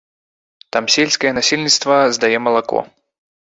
Там сельскае насельніцтва здае малако.